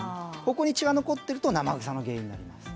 ここに血が残っていると生臭みの原因になるんです。